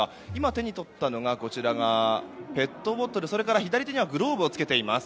手に取ったのはペットボトル、そして左手にはグローブを着けています。